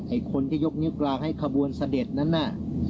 ไอ้คนที่ยกนิ้วกลางให้ขบวนเสด็จนั้นน่ะ